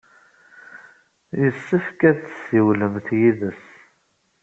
Yessefk ad tessiwlemt yid-s.